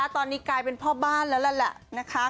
ตอนนี้กลายเป็นพ่อบ้านแล้วล่ะนะคะ